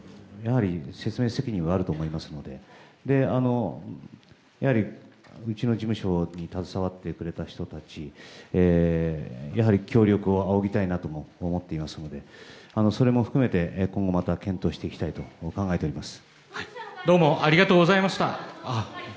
説明責任はあると思いますのでやはり、うちの事務所に携わってくれた人たちに協力を仰ぎたいとは思っていますのでそれも含めて今後また検討していきたいと考えております。